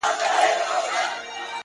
زه کله باغي وم او هم، مئين نه وم